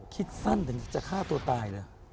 คิดสั้นถึงจะฆ่าตัวตายเลย